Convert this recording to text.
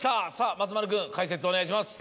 松丸君解説お願いします。